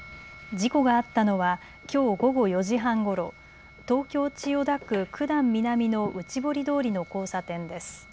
事故があったのはきょう午後４時半ごろ、東京千代田区九段南の内堀通りの交差点です。